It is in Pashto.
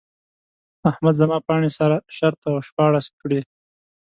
احمد زما پاڼې سره شرت او شپاړس کړې.